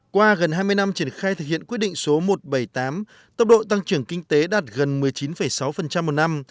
qua gần hai mươi năm triển khai thực hiện quyết định số một trăm bảy mươi tám tốc độ tăng trưởng kinh tế đạt gần một mươi chín sáu một năm